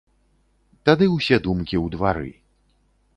Тады ўсе думкі ў двары.